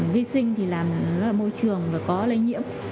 vi sinh là một môi trường có lây nhiễm